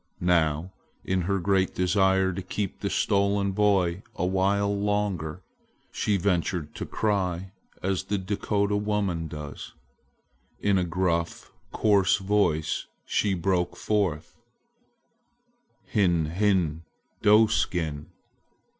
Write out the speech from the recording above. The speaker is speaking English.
Now, in her great desire to keep the stolen boy awhile longer, she ventured to cry as the Dakota woman does. In a gruff, coarse voice she broke forth: "Hin hin, doe skin!